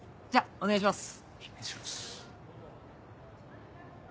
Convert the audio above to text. お願いします。